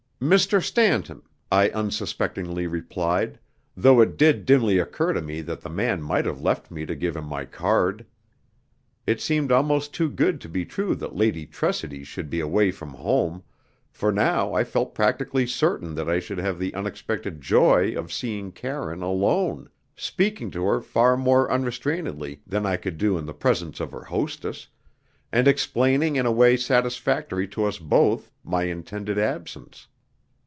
"Mr. Stanton," I unsuspectingly replied, though it did dimly occur to me that the man might have left me to give him my card. It seemed almost too good to be true that Lady Tressidy should be away from home, for now I felt practically certain that I should have the unexpected joy of seeing Karine alone, speaking to her far more unrestrainedly than I could do in the presence of her hostess, and explaining in a way satisfactory to us both, my intended absence.